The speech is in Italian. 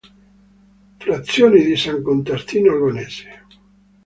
Frazione di San Costantino Albanese.